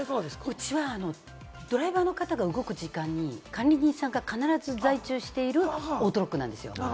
うちはドライバーの方が動く時間に管理人さんが必ず在中しているオートロックなんですよ。